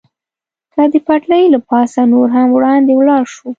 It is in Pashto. که د پټلۍ له پاسه نور هم وړاندې ولاړ شو.